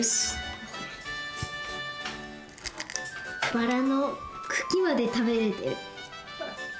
バラのくきまでたべれてる。